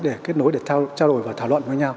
để kết nối để trao đổi và thảo luận với nhau